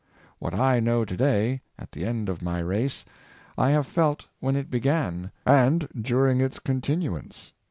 What I know to day, at the end of my race, I have felt when it began, and during its continu ance.